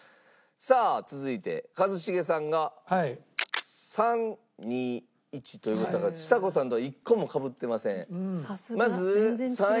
さあ続いて一茂さんが３２１という事だからちさ子さんと一個もかぶってません。